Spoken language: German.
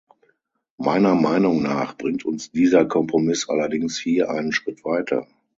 Meiner Meinung nach bringt uns dieser Kompromiss allerdings hier einen Schritt weiter.